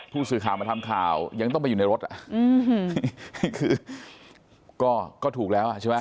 ผู้สื่อข่าวมาทำข่าวยังต้องไปอยู่ในรถอ่ะคือก็ถูกแล้วอ่ะใช่ไหม